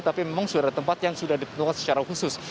tapi memang sudah ada tempat yang sudah ditentukan secara khusus